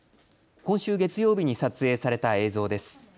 今週月曜日に撮影された映像です。